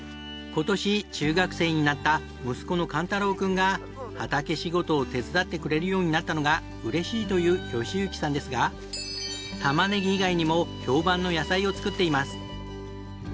今年中学生になった息子の栞太朗君が畑仕事を手伝ってくれるようになったのが嬉しいという善行さんですがたまねぎ以外にも評判の野菜を作っています。